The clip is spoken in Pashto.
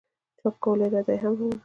چاپ کولو اراده ئې هم لرله